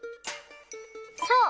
そう！